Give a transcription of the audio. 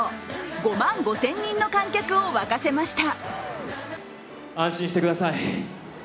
５万５０００人の観客を沸かせました。